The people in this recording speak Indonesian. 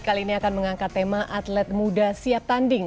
kali ini akan mengangkat tema atlet muda siap tanding